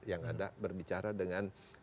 yang ada berbicara dengan